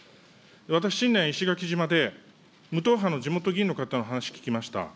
私、新年、石垣島で無党派の地元議員の話聞きました。